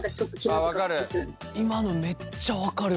今のめっちゃ分かるわ。